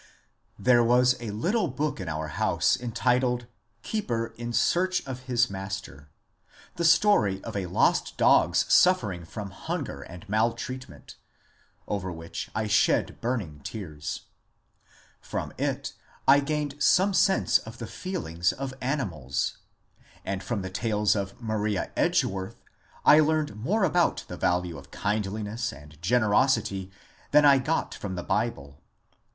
There was a little book in our house entitled " Keeper in search of his Master," — the story of a lost dog's suffering from hunger and maltreatment, — over which I shed burning tears. From it I gained some sense of the feelings of animals ; and from the tales of Maria Edgeworth I learned more about 32 MONCURE DANIEL CONWAY the value of kindliness and generosity than I got from the Bible.